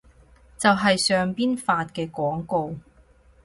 就係上邊發嘅廣告